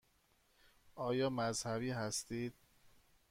آیا مذهبی هستید؟